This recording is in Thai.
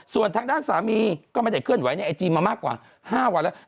ส่วนทางด้านสามีก็ไม่ได้เคลื่อนไหวในไอจีมามากกว่า๕วันแล้ว